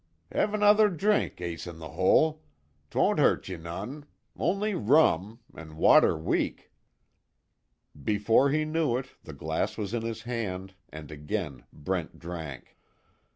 Have another drink, Ace In The Hole, 'twon't hurt you none only rum an' water weak." Before he knew it the glass was in his hand, and again Brent drank.